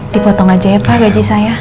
dipotong aja ya pak gaji saya